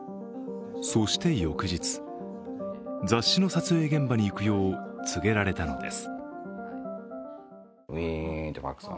そして翌日、雑誌の撮影現場に行くよう告げられたのです。